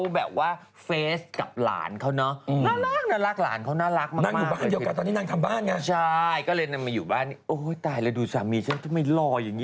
แล้วลูกชายเหรอแล้วป๋องกันเป็นพ่อที่ดีหรือยัง